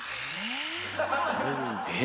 え？